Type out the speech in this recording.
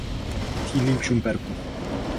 Sídlí v Šumperku.